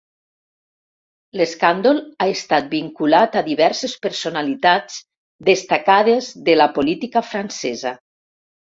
L'escàndol ha estat vinculat a diverses personalitats destacades de la política francesa.